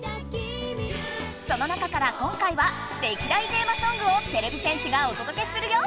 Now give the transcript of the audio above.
そのなかから今回は歴代テーマソングをてれび戦士がおとどけするよ！